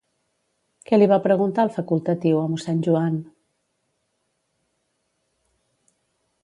Què li va preguntar el facultatiu a mossèn Joan?